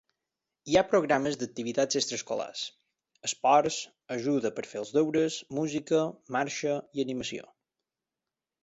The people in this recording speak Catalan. Hi ha programes d'activitats extraescolars, esports, ajuda per fer els deures, música, marxa i animació.